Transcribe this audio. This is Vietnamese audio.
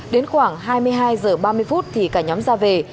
đến khoảng hai mươi hai h ba mươi phút thì cả nhóm ra về